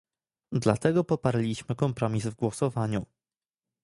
Dlatego poparliśmy kompromis w głosowaniu